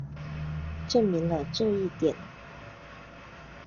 证明了这一点。